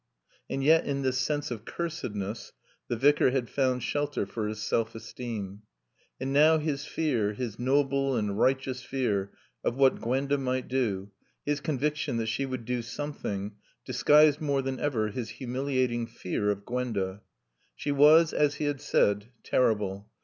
And yet in this sense of cursedness the Vicar had found shelter for his self esteem. And now his fear, his noble and righteous fear of what Gwenda might do, his conviction that she would do something, disguised more than ever his humiliating fear of Gwenda. She was, as he had said, terrible.